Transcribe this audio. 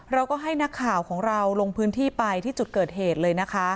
เราก็ให้นักข่าวของเราลงพื้นที่ไปที่จุดเกิดเหตุเลยนะคะ